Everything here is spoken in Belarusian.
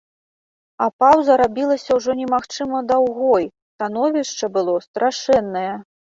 А паўза рабілася ўжо немагчыма даўгой, становішча было страшэннае.